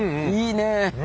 いいね。